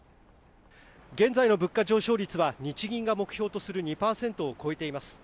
現在の物価上昇率は日銀が目標とする２％を超えています。